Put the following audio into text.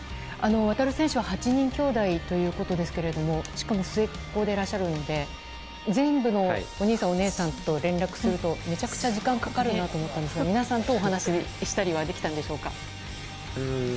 航選手は８人きょうだいということですけれどしかも末っ子でいらっしゃるので全部のお兄さんお姉さんと連絡するとめちゃくちゃ時間かかるなと思ったんですが皆さんとお話をしたりはできたんでしょうか？